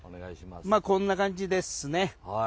こんな感じです。